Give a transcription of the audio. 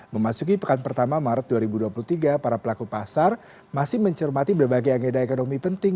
memasuki pekan pertama maret dua ribu dua puluh tiga para pelaku pasar masih mencermati berbagai agenda ekonomi penting